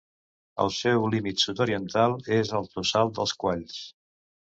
El seu límit sud-oriental és el Tossal dels Qualls.